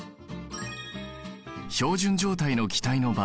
標準状態の気体の場合